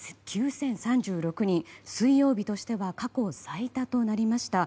水曜日としては過去最多となりました。